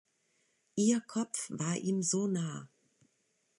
Ihr Kopf war ihm so nah.